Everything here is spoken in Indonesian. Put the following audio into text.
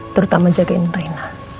terutama jagain rena